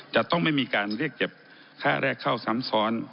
จะต้องไม่มีการเรียกเก็บค่าแรกเข้าซ้ำซ้อน